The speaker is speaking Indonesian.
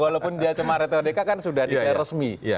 walaupun dia cuma retorika kan sudah diresmi